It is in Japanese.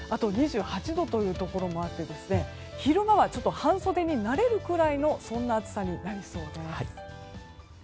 ２８度というところもあって昼間はちょっと半袖になれるくらいの暑さになりそうです。